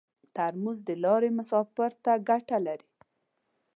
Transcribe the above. ترموز د لارې مسافر ته ګټه لري.